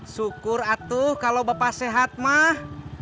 syukur atuh kalau bapak sehat mah